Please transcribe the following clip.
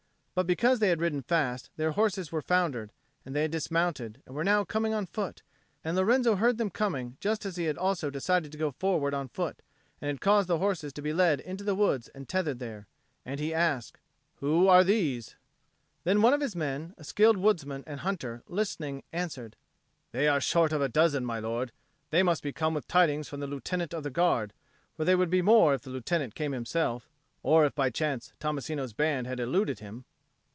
But because they had ridden fast, their horses were foundered, and they had dismounted, and were now coming on foot; and Lorenzo heard them coming just as he also had decided to go forward on foot, and had caused the horses to be led into the wood and tethered there. And he asked, "Who are these?" Then one of his men, a skilled woodsman and hunter, listening, answered, "They are short of a dozen, my lord. They must be come with tidings from the Lieutenant of the Guard. For they would be more if the Lieutenant came himself, or if by chance Tommasino's band had eluded him."